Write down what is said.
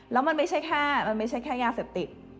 แล้วมันไม่ใช่แค่ยาเสพติด